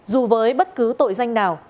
dù với bất cứ tội danh nào